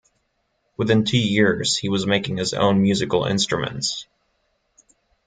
Within two years he was making his own musical instruments.